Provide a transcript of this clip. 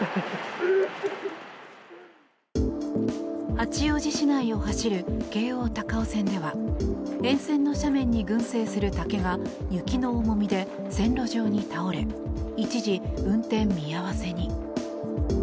八王子市内を走る京王高尾線では沿線の斜面に群生する竹が雪の重みで線路上に倒れ一時、運転見合わせに。